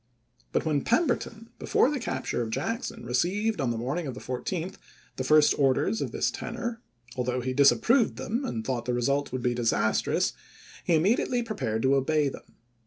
But when Pemberton, before the capture of Jackson, received on the morning of the 14th the first orders of this tenor, although he disapproved them and thought the result would be disastrous, he immediately prepared to obey them.